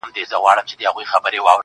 زما په خيال هري انجلۍ ته گوره.